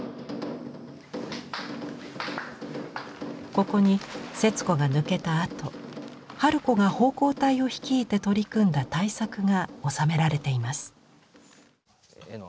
ここに節子が抜けたあと春子が奉公隊を率いて取り組んだ大作が収められています。